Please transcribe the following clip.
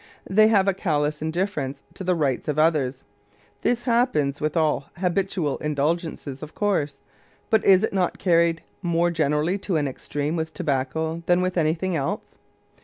They have a callous indifference to the rights of others. This happens with all habitual indulgence, of course, but is it not carried more generally to an extreme with tobacco than with anything else?